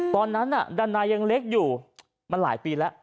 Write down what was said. ตอนนั้นน่ะดันนายยังเล็กอยู่มันหลายปีแล้ว